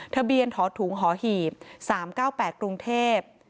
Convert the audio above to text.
ทะเบียนถอถุงหอหีบ๓๙๘กรุงเทพ